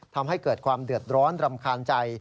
ทำให้เกิดความเดือดร้อนรำคาญใจ